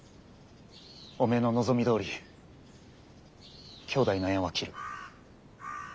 おめえの望みどおり兄妹の縁は切る。